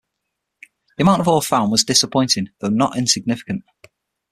The amount of ore found was disappointing, though not insignificant.